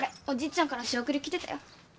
おじいちゃんから仕送り来てたよ。